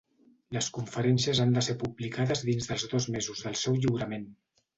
Les conferències han de ser publicades dins dels dos mesos del seu lliurament.